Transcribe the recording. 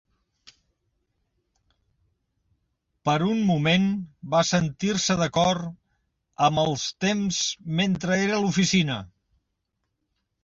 Per un moment, va sentir-se d'acord amb els temps mentre era a l'oficina.